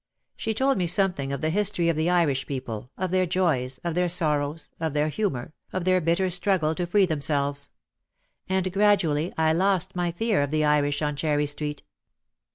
She told me something of the history of the Irish people, of their joys, of their sorrows, of their humour, of their bitter struggle to free themselves. And grad ually I lost my fear of the Irish on Cherry Street.